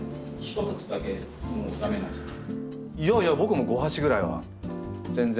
いやいや僕も５鉢ぐらいは全然。